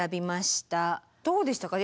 どうでしたか？